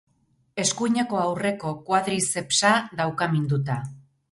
Eskuineko aurreko koadrizepsa dauka minduta.